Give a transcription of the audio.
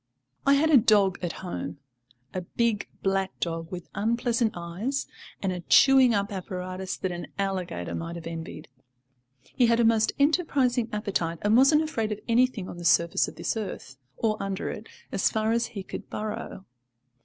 I had a dog at home, a big black dog with unpleasant eyes, and a chewing up apparatus that an alligator might have envied. He had a most enterprising appetite, and wasn't afraid of anything on the surface of this earth or under it as far as he could burrow.